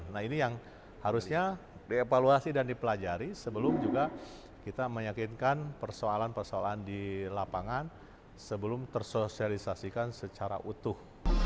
nah ini yang harusnya dievaluasi dan dipelajari sebelum juga kita meyakinkan persoalan persoalan di lapangan sebelum tersosialisasikan secara utuh